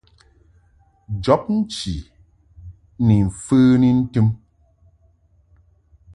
Jɔbnchi ni mfəni ntɨm.